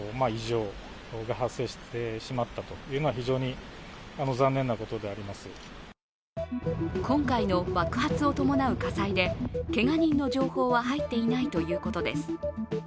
ＪＡＸＡの担当者は今回の爆発を伴う火災でけが人の情報は入っていないということです。